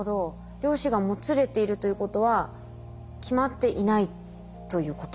量子がもつれているということは決まっていないということですかね？